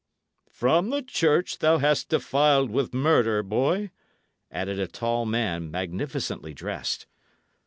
"From the church thou hast defiled with murder, boy," added a tall man, magnificently dressed.